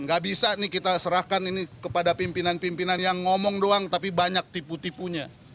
gak bisa nih kita serahkan ini kepada pimpinan pimpinan yang ngomong doang tapi banyak tipu tipunya